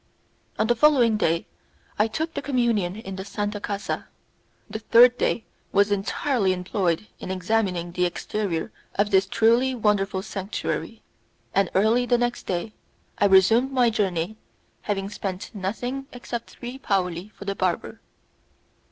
On the following day, I took the communion in the Santa Casa. The third day was entirely employed in examining the exterior of this truly wonderful sanctuary, and early the next day I resumed my journey, having spent nothing except three paoli for the barber.